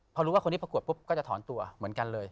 พอรู้ว่าคนนี้ประกวดปุ๊บก็จะถอนตัวเหมือนกันเลย